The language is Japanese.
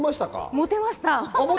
モテました。